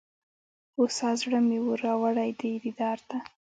هوسا زړه مي وو را وړﺉ دې دیار ته